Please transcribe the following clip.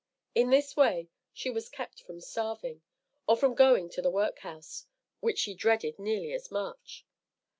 In this way she was kept from starving, or from going to the workhouse, which she dreaded nearly as much.